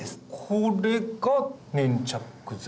これが粘着剤？